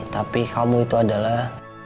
tapi kamu itu adalah